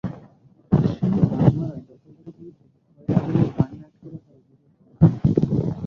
রাজশাহীর বাগমারায় দখলদারদের বিরুদ্ধে খয়রা বিলের পানি আটকে রাখার অভিযোগ পাওয়া গেছে।